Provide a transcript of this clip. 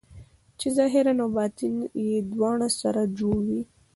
چې ظاهر او باطن یې دواړه سره جوړ وي.